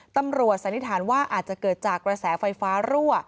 สันนิษฐานว่าอาจจะเกิดจากกระแสไฟฟ้ารั่ว